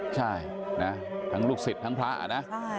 ใช่นะทั้งลูกศิษย์ทั้งพระนะ